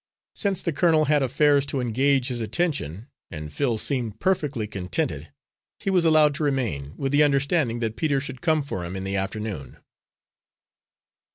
Since the colonel had affairs to engage his attention, and Phil seemed perfectly contented, he was allowed to remain, with the understanding that Peter should come for him in the afternoon.